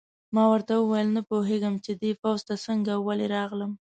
ما ورته وویل: نه پوهېږم چې دې پوځ ته څنګه او ولې راغلم.